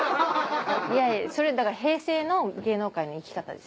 いやいやそれだから平成の芸能界の生き方です。